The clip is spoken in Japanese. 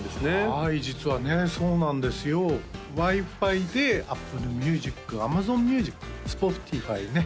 はい実はねそうなんですよＷｉ−ＦｉでＡｐｐｌｅＭｕｓｉｃＡｍａｚｏｎＭｕｓｉｃＳｐｏｔｉｆｙね